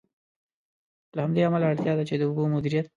له همدې امله، اړتیا ده چې د اوبو د مدیریت.